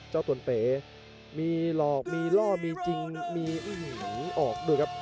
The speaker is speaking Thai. ตนเป๋มีหลอกมีล่อมีจริงมีออกด้วยครับ